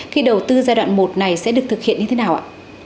khi đầu tư giai đoạn một này sẽ được thực hiện như thế nào ạ